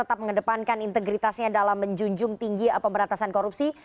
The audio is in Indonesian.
tetap mengedepankan integritasnya dalam menjunjung tinggi pemberantasan korupsi